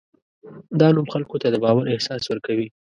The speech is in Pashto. دا نوم خلکو ته د باور احساس ورکوي.